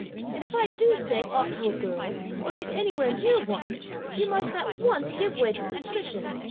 and if I do say aught to a girl, or get anywhere near one, she must at once give way to suspicion.